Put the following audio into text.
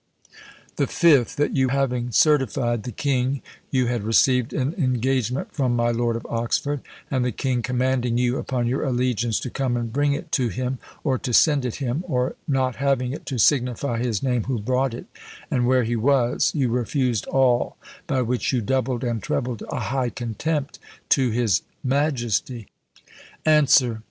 "The fifth, that you having certified the king you had received an engagement from my Lord of Oxford, and the king commanding you, upon your allegiance, to come and bring it to him, or to send it him; or not having it, to signify his name who brought it, and where he was; you refused all, by which you doubled and trebled a high contempt to his majesty. "Answer.